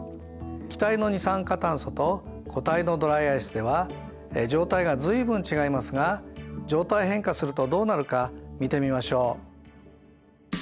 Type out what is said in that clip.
気体の二酸化炭素と固体のドライアイスでは状態が随分違いますが状態変化するとどうなるか見てみましょう。